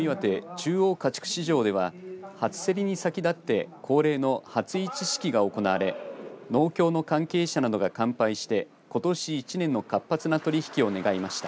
中央家畜市場では初競りに先立って恒例の初市式が行われ農協の関係者などが乾杯してことし１年の活発な取引を願いました。